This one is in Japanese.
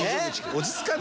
落ち着かんて。